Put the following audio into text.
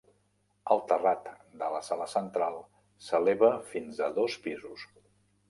El terrat de la sala central s'eleva fins a dos pisos.